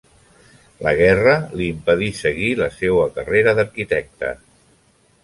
La guerra li impedí que seguir la seua carrera d'arquitecte.